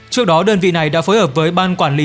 trước đó đơn vị này đã phối hợp với ban quảng bình